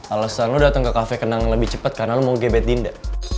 alasan lo datang ke kafe kenang lebih cepat karena lo mau gebet dinda